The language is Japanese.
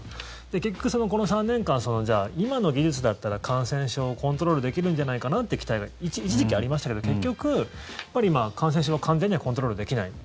結局この３年間今の技術だったら感染症のコントロールできるんじゃないかなって期待が一時期ありましたど、結局やっぱり感染症は完全にはコントロールできない。